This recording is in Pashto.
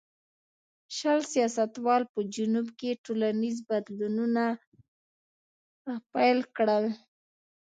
شل سیاستوالو په جنوب کې ټولنیز بدلونونه پیل کړل.